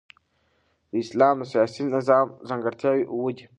د اسلام د سیاسي نظام ځانګړتیاوي اووه دي.